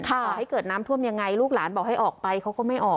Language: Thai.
ต่อให้เกิดน้ำท่วมยังไงลูกหลานบอกให้ออกไปเขาก็ไม่ออก